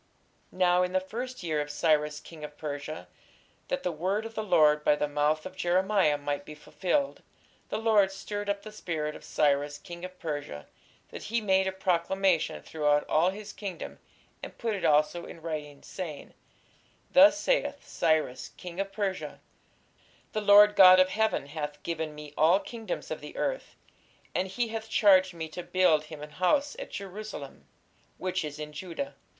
Now in the first year of Cyrus king of Persia, that the word of the Lord by the mouth of Jeremiah might be fulfilled, the Lord stirred up the spirit of Cyrus king of Persia, that he made a proclamation throughout all his kingdom, and put it also in writing, saying, Thus saith Cyrus king of Persia, The Lord God of heaven hath given me all kingdoms of the earth; and he hath charged me to build him an house at Jerusalem, which is in Judah.